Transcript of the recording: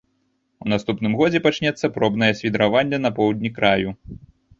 У наступным годзе пачнецца пробнае свідраванне на поўдні краю.